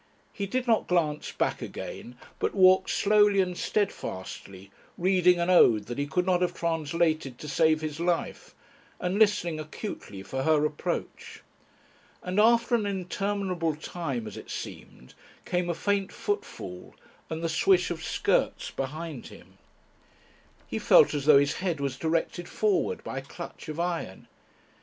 He did not glance back again, but walked slowly and steadfastly, reading an ode that he could not have translated to save his life, and listening acutely for her approach. And after an interminable time, as it seemed, came a faint footfall and the swish of skirts behind him. He felt as though his head was directed forward by a clutch of iron.